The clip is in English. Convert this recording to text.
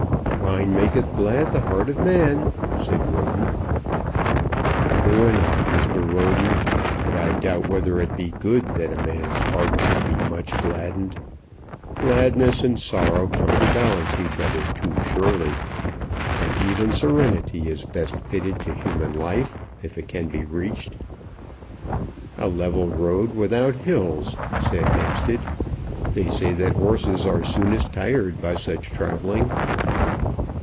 "Wine maketh glad the heart of man," said Roden. "True enough, Mr. Roden. But I doubt whether it be good that a man's heart should be much gladdened. Gladness and sorrow counterbalance each other too surely. An even serenity is best fitted to human life, if it can be reached." "A level road without hills," said Hampstead. "They say that horses are soonest tired by such travelling."